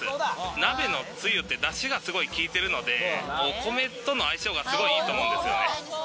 鍋のつゆってだしがすごい効いてるので、お米との相性がすごいいいと思うんですよね。